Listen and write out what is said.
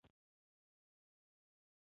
聂家寺的历史年代为清。